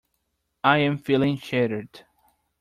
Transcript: I am feeling shattered.